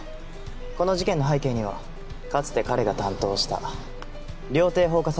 この事件の背景にはかつて彼が担当した料亭放火殺人事件が関係している。